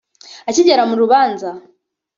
Akigera mu rubanza